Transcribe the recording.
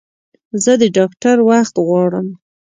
زه د ډاکټر وخت غواړم